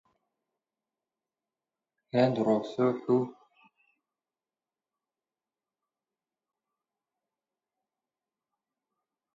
هێند ڕۆحسووک و بە دەستەوە بوو کە زۆر خۆشمان لێ دەهات